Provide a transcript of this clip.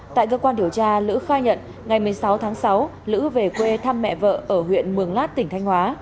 tại cơ quan điều tra lữ khai nhận ngày một mươi sáu tháng sáu lữ về quê thăm mẹ vợ ở huyện mường lát tỉnh thanh hóa